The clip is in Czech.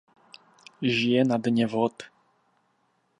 Žije na dně vod.